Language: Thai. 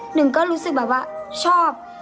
หนึ่งก็รู้สึกแบบว่าชอบ